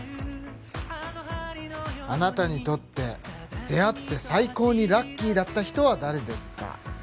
「あなたにとって出会って最高にラッキーだった人は誰ですか？」